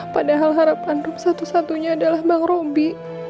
padahal harapan rum satu satunya adalah bang robi